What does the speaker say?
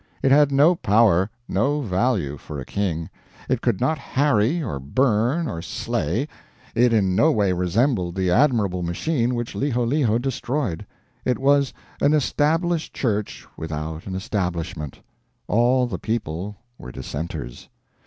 It had no power, no value for a king. It could not harry or burn or slay, it in no way resembled the admirable machine which Liholiho destroyed. It was an Established Church without an Establishment; all the people were Dissenters.